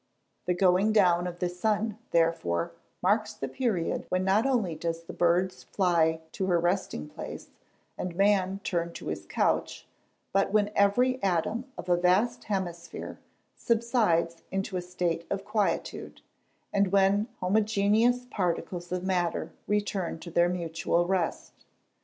The going down of the sun, therefore, marks the period when not only does the bird fly to her resting place, and man turn to his couch; but when every atom of a vast hemisphere subsides into a state of quietude, and when homogeneous particles of matter return to their mutual rest.